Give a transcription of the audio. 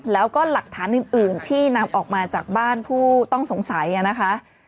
แล้วก็หลักฐานอื่นที่นำออกมาจากบ้านผู้ต้องสงสัยนะคะ